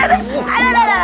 aduh aduh aduh